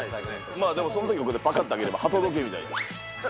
まあでもそんとき、これぱかっと開ければ、鳩時計みたいに。